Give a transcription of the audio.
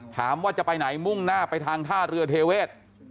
ถามว่าจะไปไหนมุ่งหน้าไปทางท่าเรือเทเวศ